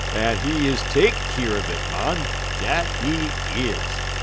"En he is take keer un it, mon dat he is.